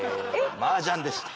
マージャンでした。